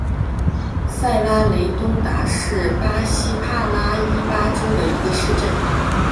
塞拉雷东达是巴西帕拉伊巴州的一个市镇。